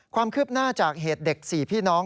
ความคืบหน้าจากเหตุเด็ก๔พี่น้อง